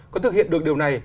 có thực hiện được điều này